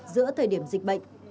nữa thời điểm dịch bệnh